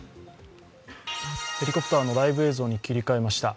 ヘリコプターのライブ映像に切り替えました。